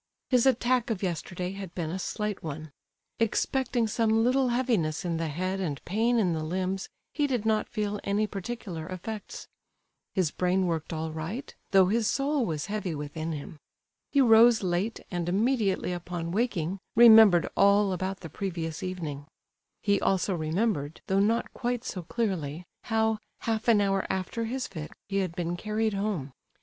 His attack of yesterday had been a slight one. Excepting some little heaviness in the head and pain in the limbs, he did not feel any particular effects. His brain worked all right, though his soul was heavy within him. He rose late, and immediately upon waking remembered all about the previous evening; he also remembered, though not quite so clearly, how, half an hour after his fit, he had been carried home.